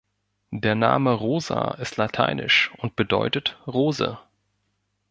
Der Name Rosa ist lateinisch und bedeutet ‚Rose‘.